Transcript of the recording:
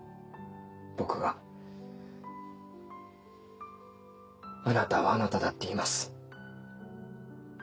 僕があなたはあなただって言います。